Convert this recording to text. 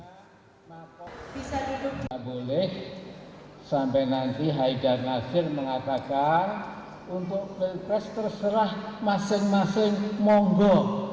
tidak boleh sampai nanti haidar nasir mengatakan untuk pilpres terserah masing masing monggo